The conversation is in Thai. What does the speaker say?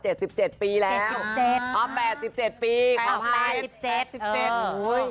เจ็ดสิบเจ็ดอ๋อเจ็ดสิบเจ็ดปีขอบภัยเจ็ดสิบเจ็ดโอ้ย